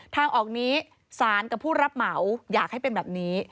ทางออกนี้สารกับผู้รับเหมาอยากให้เป็นแบบนี้